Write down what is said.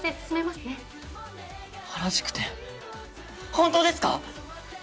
本当ですか？